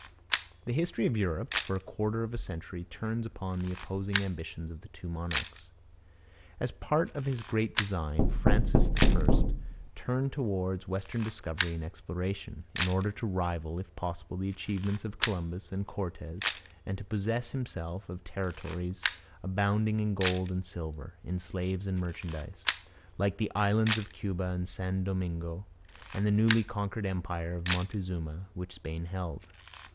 The history of Europe for a quarter of a century turns upon the opposing ambitions of the two monarchs. As a part of his great design, Francis I turned towards western discovery and exploration, in order to rival if possible the achievements of Columbus and Cortes and to possess himself of territories abounding in gold and silver, in slaves and merchandise, like the islands of Cuba and San Domingo and the newly conquered empire of Montezuma, which Spain held.